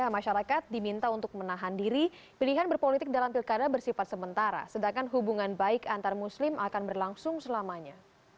masyarakat diminta untuk menahan diri pilihan berpolitik dalam pilkada bersifat sementara sedangkan hubungan baik antar muslim akan berlangsung selamanya